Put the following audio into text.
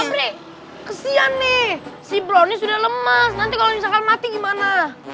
eh sobri kesian nih si bro ini sudah lemas nanti kalo mati gimana